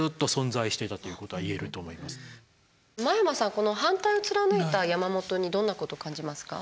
この反対を貫いた山本にどんなことを感じますか？